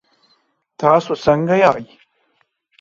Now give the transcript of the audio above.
تاسو څنګه یئ؟